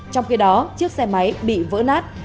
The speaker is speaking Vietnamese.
trong khi đó chiếc xe máy bị vỡ nát